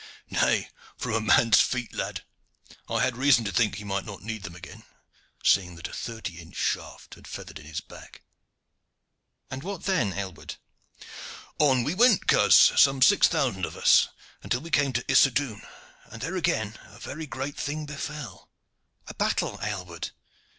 "Nay, from a man's feet, lad. I had reason to think that he might not need them again, seeing that a thirty inch shaft had feathered in his back." "And what then, Aylward?" "On we went, coz, some six thousand of us, until we came to Issodun, and there again a very great thing befell." "A battle, Aylward?"